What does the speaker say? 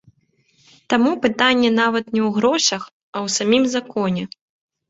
Таму пытанне нават не ў грошах, а ў самім законе.